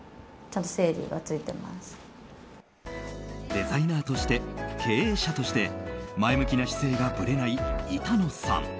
デザイナーとして経営者として前向きな姿勢がぶれない板野さん。